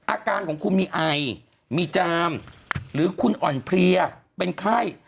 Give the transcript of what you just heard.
อาการของคุณมีไอมีจามหรือคุณอ่อนเพลียเป็นไข้